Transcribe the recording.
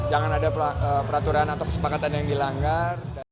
jangan ada peraturan atau kesepakatan yang dilanggar